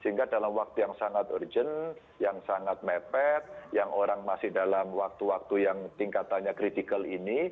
sehingga dalam waktu yang sangat urgent yang sangat mepet yang orang masih dalam waktu waktu yang tingkatannya kritikal ini